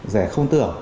rẻ không tưởng